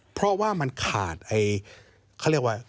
เพราะว่ามันขาดเขาเรียกว่า